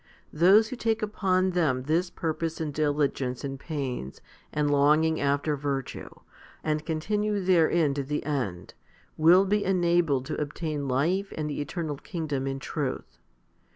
Those who take upon them this purpose and diligence and pains and longing after virtue, and continue therein to the end, will be enabled to obtain life and the eternal kingdom in truth.